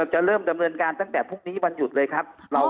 จะเริ่มดำเนินการตั้งแต่พรุ่งนี้วันหยุดเลยครับ